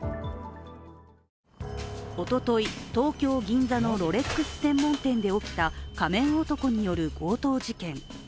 おととい、東京・銀座のロレックス専門店で起きた仮面男による強盗事件。